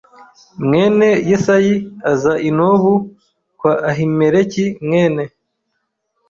mwene Yesayi aza i Nobu kwa Ahimeleki mwene